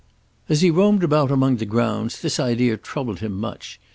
As he roamed about among the grounds this idea troubled him much.